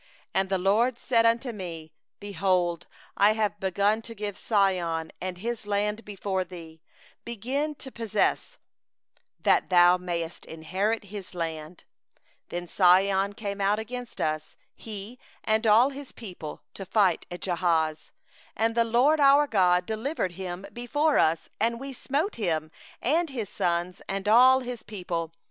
31And the LORD said unto me: 'Behold, I have begun to deliver up Sihon and his land before thee; begin to possess his land.' 32Then Sihon came out against us, he and all his people, unto battle at Jahaz. 33And the LORD our God delivered him up before us; and we smote him, and his sons, and all his people.